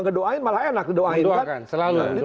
ngedoain malah enak didoain kan selalu